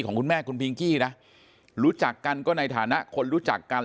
คุณแม่คุณพิงกี้นะรู้จักกันก็ในฐานะคนรู้จักกัน